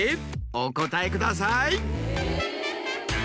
お答えください。